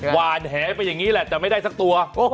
หวานแหไปอย่างนี้แหละแต่ไม่ได้สักตัว